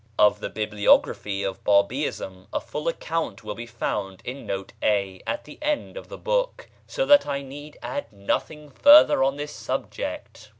Of the bibliography of Bábíism a full account will be found in Note A at the end of the book, so that I need add nothing further on this subject.